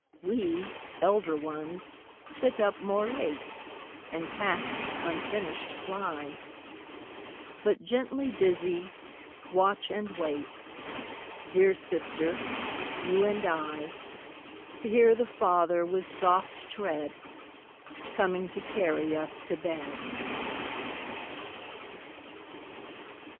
We, elder ones, sit up more late, And tasks unfinished ply, But, gently busy, watch and wait Dear sister, you and I, To hear the Father, with soft tread, Coming to carry us to bed.